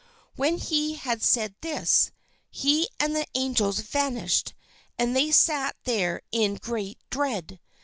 When he had said this, he and the angels vanished, and they sat there in great dread.